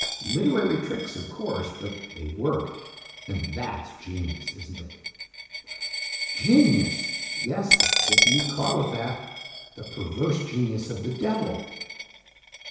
Literary tricks, of course, but they work, and that's genius! Isn't it?" "Genius! Yes, if you call it that. The perverse genius of the Devil!"